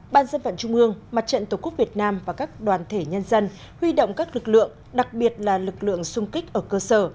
ba ban dân vận trung ương mặt trận tổ quốc việt nam và các đoàn thể nhân dân huy động các lực lượng đặc biệt là lực lượng xung kích ở cơ sở